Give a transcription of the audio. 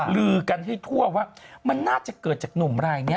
ลือกันให้ทั่วว่ามันน่าจะเกิดจากหนุ่มรายนี้